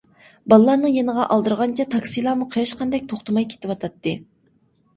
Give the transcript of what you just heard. بالىلارنىڭ يېنىغا ئالدىرىغانچە تاكسىلارمۇ قېرىشقاندەك توختىماي كېتىۋاتاتتى.